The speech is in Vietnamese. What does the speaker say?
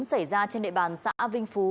xảy ra trên địa bàn xã vinh phú